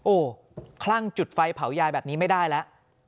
โอ้โหคลั่งจุดไฟเผายายแบบนี้ไม่ได้แล้ว